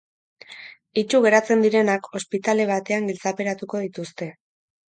Itsu geratzen direnak ospitale batean giltzaperatuko dituzte.